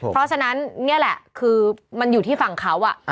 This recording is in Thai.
เพราะฉะนั้นนี่แหละคือมันอยู่ที่ฝั่งเขา